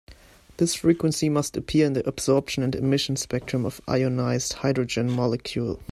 This frequency must appear in the absorption and emission spectrum of ionized hydrogen molecule.